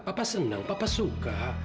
papa seneng papa suka